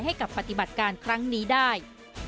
ให้กับปฏิบัติการครั้งนี้ได้